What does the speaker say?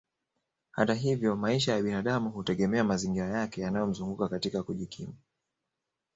Hata hivyo maisha ya binadamu hutegemea mazingira yake yanayomzunguka katika kujikimu